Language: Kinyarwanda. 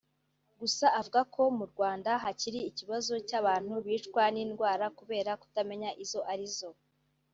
Gusa avuga ko mu Rwanda hakiri ikibazo cy’abantu bicwa n’indwara kubera kutamenya izo arizo